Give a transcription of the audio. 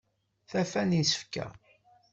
Tafa n isefka.